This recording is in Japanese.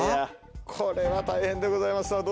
これは大変でございます